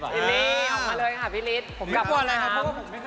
ผมกำลังทำ